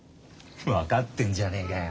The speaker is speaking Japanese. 分かってんじゃねえかよ。